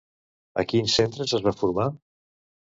A quins centres es va formar?